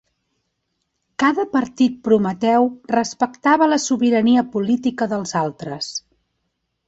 Cada partit prometeu respectava la sobirania política dels altres.